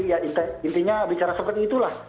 ya intinya bicara seperti itulah